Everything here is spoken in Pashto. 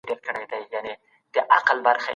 انلاين زده کړه د وخت خپلواکي زياتوي.